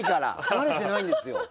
慣れてないんですよ。